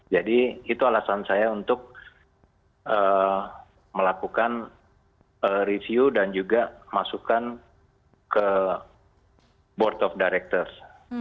jadi itu alasan saya untuk melakukan review dan juga masukkan ke board of directors